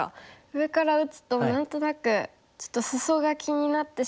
上から打つと何となくちょっとスソが気になってしまうんですけど。